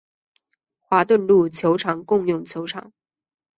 华顿路球场共用球场。